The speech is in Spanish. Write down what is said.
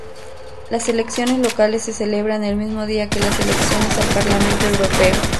Las elecciones locales se celebran el mismo día que las elecciones al Parlamento Europeo.